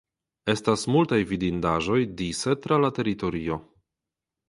Estas multaj vidindaĵoj dise tra la teritorio.